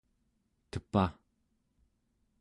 tepaᵉ